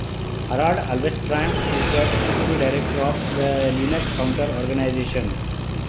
Harald Alvestrand is the Executive Director of the "Linux Counter Organization".